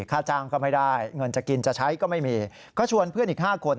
ค่าจ้างก็ไม่ได้เงินจะกินจะใช้ก็ไม่มีก็ชวนเพื่อนอีก๕คน